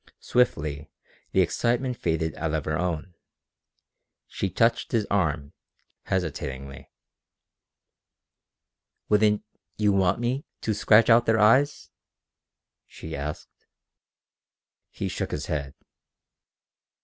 Swiftly the excitement faded out of her own. She touched his arm, hesitatingly. "Wouldn't ... you want me ... to scratch out their eyes?" she asked. He shook his head.